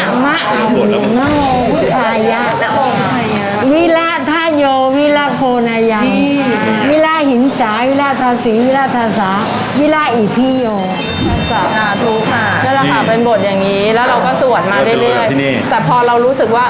ค่ะถูกค่ะแล้วเราหาเป็นบทอย่างงี้แล้วเราก็สวดมาได้เลยแต่พอเรารู้สึกว่า